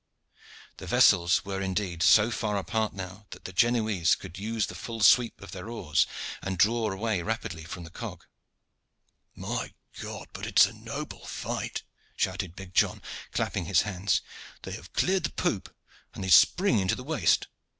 The vessels were indeed so far apart now that the Genoese could use the full sweep of their oars, and draw away rapidly from the cog. "My God, but it is a noble fight!" shouted big John, clapping his hands. "They have cleared the poop, and they spring into the waist.